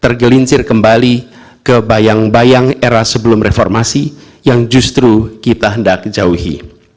tergelincir kembali ke bayang bayang era sebelum reformasi yang justru kita hendak jauhi